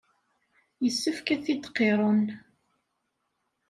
Yessefk ad t-id-qirren.